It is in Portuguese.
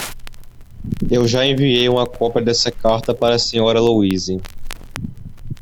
Eu já enviei uma cópia desta carta para a Sra. Louise.